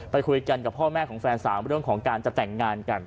ไปคุยกันกับพ่อแม่ของแฟนสาวเรื่องของการจะแต่งงานกัน